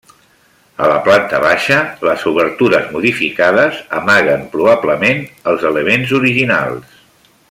A la planta baixa, les obertures modificades, amaguen probablement, els elements originals.